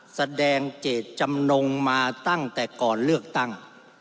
แสดงเจตจำนงมาตั้งแต่ก่อนเลือกตั้ง